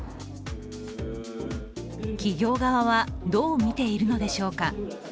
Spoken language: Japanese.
企業側はどう見ているのでしょうか。